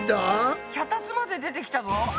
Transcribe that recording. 脚立まで出てきたぞ。